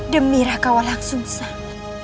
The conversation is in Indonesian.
demi raka walang sung sang